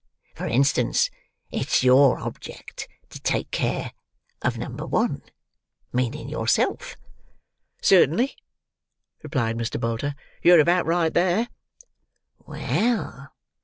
For instance, it's your object to take care of number one—meaning yourself." "Certainly," replied Mr. Bolter. "Yer about right there." "Well!